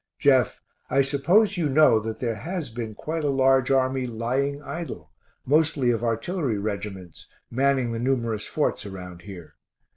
Jeff, I suppose you know that there has been quite a large army lying idle, mostly of artillery reg'ts, manning the numerous forts around here.